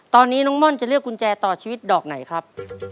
ตอนนี้น้องม่อนจะเลือกกุญแจต่อชีวิตดอกไหนครับ